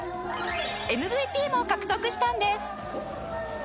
ＭＶＰ も獲得したんです